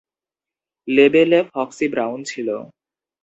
লেবেলে Foxy Brown ছিল।